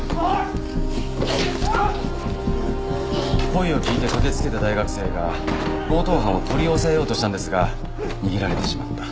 声を聞いて駆けつけた大学生が強盗犯を取り押さえようとしたんですが逃げられてしまった。